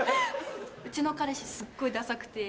うちの彼氏すっごいダサくて。